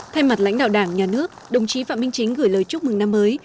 thay mặt lãnh đạo đảng nhà nước đồng chí phạm minh chính gửi lời chúc mừng năm mới